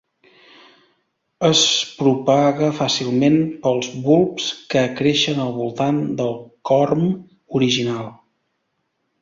Es propaga fàcilment pels bulbs que creixen al voltant del corm original.